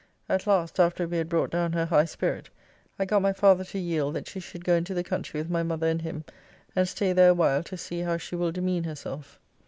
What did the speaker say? At last, after we had brought down her high spirit, I got my father to yield that she should go into the country with my mother and him, and stay there awhile to see how she will demean herself.